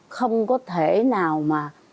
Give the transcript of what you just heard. không có thể nào mà